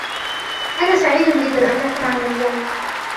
أنا سعيد جداً أنكً معنا اليوم.